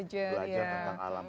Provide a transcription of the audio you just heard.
belajar tentang alam